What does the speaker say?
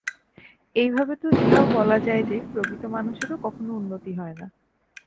এইভাবে তো ইহাও বলা যায় যে, প্রকৃত মানুষেরও কখনও উন্নতি হয় না।